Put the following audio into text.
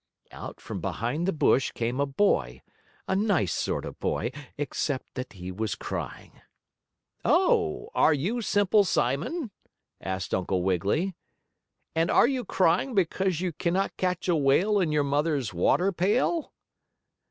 Out from behind the bush came a boy, a nice sort of boy, except that he was crying. "Oh, are you Simple Simon?" asked Uncle Wiggily, "and are you crying because you cannot catch a whale in your mother's water pail?"